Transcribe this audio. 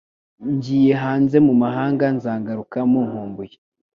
ngiye hanze mumahanga nzagaruka munkumbuye